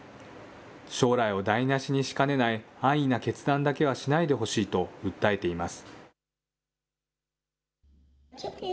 将来を台なしにしかねない安易な決断だけはしないでほしいと訴えています。